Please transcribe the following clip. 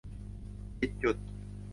ผิดจุด